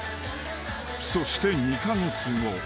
［そして２カ月後］